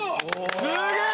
すげえ！